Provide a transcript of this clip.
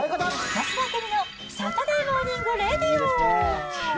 増田明美のサタデーモーニング・レイディオ。